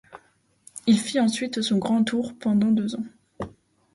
Il fit ensuite son Grand Tour pendant deux ans.